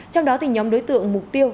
trong đó thì nhóm đối tượng mục tiêu